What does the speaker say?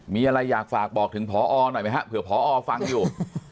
มีอะไรอยากฝากบอกถึงพอหน่อยไหมฮะเผื่อพอฟังอยู่